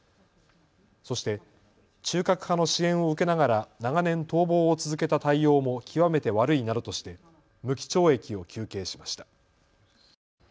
そして中核派の支援を受けながら長年、逃亡を続けた対応も極めて悪いなどとして無期懲役を求刑しました。